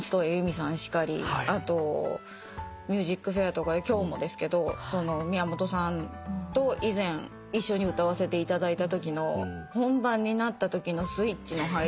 あと『ＭＵＳＩＣＦＡＩＲ』とかで今日もですけど宮本さんと以前一緒に歌わせていただいたときの本番になったときのスイッチの入り方。